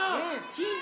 ヒント